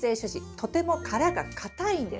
とても殻が硬いんです。